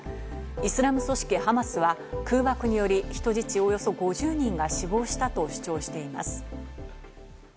イスラム組織ハマスは、空爆により、人質およそ５０人が死亡したと主張しています。